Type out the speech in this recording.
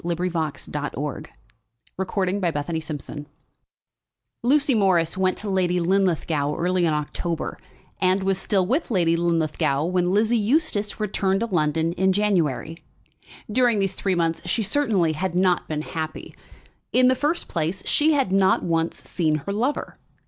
CHAPTER XLVI Lucy Morris in Brook Street Lucy Morris went to Lady Linlithgow early in October, and was still with Lady Linlithgow when Lizzie Eustace returned to London in January. During these three months she certainly had not been happy. In the first place, she had not once seen her lover.